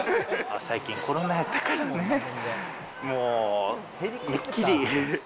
最近、コロナやったからね、もうめっきり。